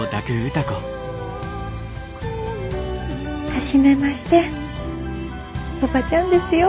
初めましておばちゃんですよ。